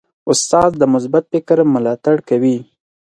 استاد د مثبت فکر ملاتړ کوي.